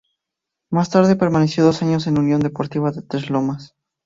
Más tarde permaneció dos años en Unión Deportiva de Tres Lomas.